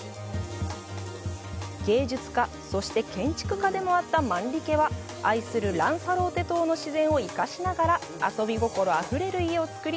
芸術家、そして建築家でもあったマンリケは愛するランサローテ島の自然を生かしなら遊び心あふれる家を造り